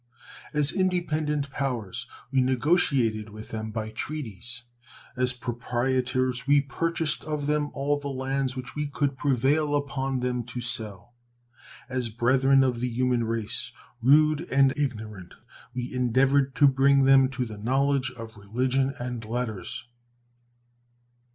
As independent powers, we negotiated with them by treaties; as proprietors, we purchased of them all the lands which we could prevail upon them to sell; as brethren of the human race, rude and ignorant, we endeavored to bring them to the knowledge of religion and letters.